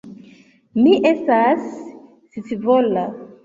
Mi estas scivola.